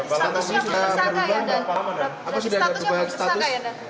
berapa lama ini sudah berubah